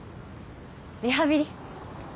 リハビリ。